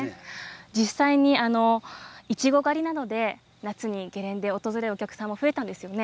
実際にいちご狩りなどで夏にゲレンデを訪れるお客さんも増えたんですよね。